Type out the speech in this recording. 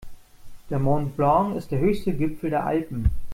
Der Mont Blanc ist der höchste Gipfel der Alpen.